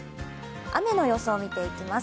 雨の予想を見ていきます。